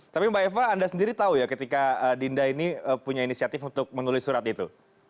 tapi mbak eva anda sendiri tahu ya ketika dinda ini punya inisiatif untuk menulis surat itu